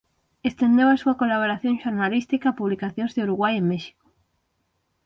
Estendeu a súa colaboración xornalística a publicacións de Uruguai e México.